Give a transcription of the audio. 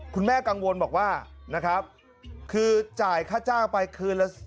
คุณแม่กังวลบอกว่านะครับคือจ่ายค่าจ้างไปคืนละ